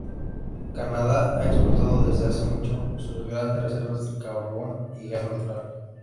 Canadá ha explotado desde hace mucho sus grandes reservas de carbón y gas natural.